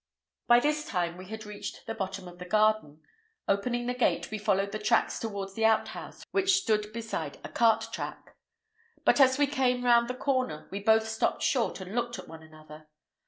By this time we had reached the bottom of the garden. Opening the gate, we followed the tracks towards the outhouse, which stood beside a cart track; but as we came round the corner we both stopped short and looked at one another.